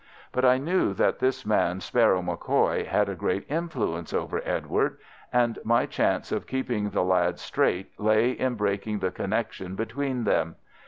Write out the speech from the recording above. But I knew that this man Sparrow MacCoy had a great influence over Edward, and my chance of keeping the lad straight lay in breaking the connection between them.